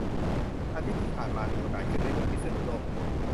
อาทิตย์ที่ผ่านมามีโอกาสขึ้นไปเมืองพิษณุโลก